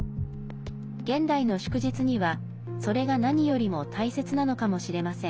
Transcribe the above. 現代の祝日には、それが何よりも大切なのかもしれません。